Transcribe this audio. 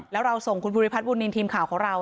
แล้วเราส่งคุณภูริพัฒนบุญนินทีมข่าวของเรา